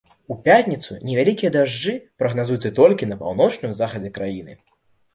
У пятніцу невялікія дажджы прагназуюцца толькі на паўночным захадзе краіны.